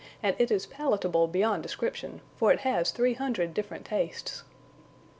and it is palatable beyond description, for it has three hundred different tastes."